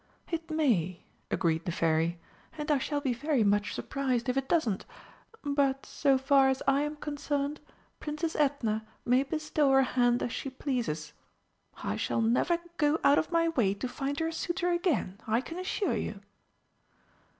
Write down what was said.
"It may," agreed the Fairy; "and I shall be very much surprised if it doesn't. But, so far as I am concerned, Princess Edna may bestow her hand as she pleases. I shall never go out of my way to find her a suitor again, I can assure you!"